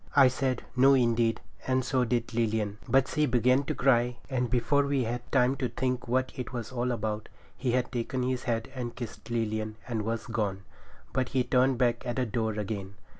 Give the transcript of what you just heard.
I said, 'No, indeed,' and so did Lilian; but she began to cry, and before we had time to think what it was all about, he had taken his hat and kissed Lilian and was gone. But he turned back at the door again.